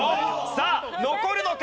さあ残るのか？